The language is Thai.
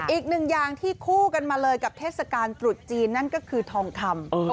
อย่างที่คู่กันมาเลยกับเทศกาลตรุษจีนนั่นก็คือทองคำ